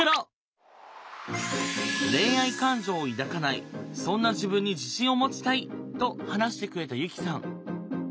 恋愛感情を抱かないそんな自分に自信を持ちたいと話してくれたユキさん。